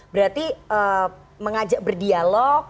berarti mengajak berdialog